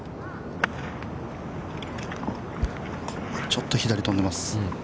ちょっと左に飛んでます。